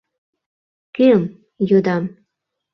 — Кӧм? — йодам.